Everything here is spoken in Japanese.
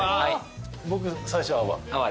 僕最初泡。